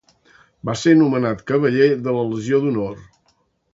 Va ser nomenat cavaller de la Legió d'Honor.